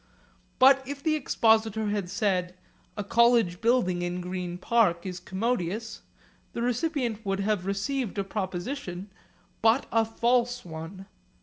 But if the expositor had said, 'A college building in Green Park is commodious,' the recipient would have received a proposition, but a false one.